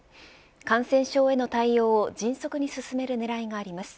感染症への対応を迅速に進める狙いがあります。